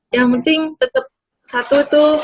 yang penting tetap satu tuh